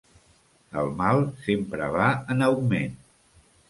El mal sempre va en augment.